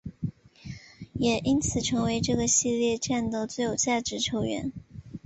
也因此成为这个系列战的最有价值球员。